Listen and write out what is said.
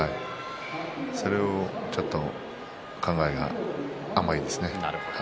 それをちょっと考えが甘いですね。